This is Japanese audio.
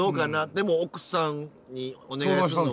でも奥さんにお願いするの。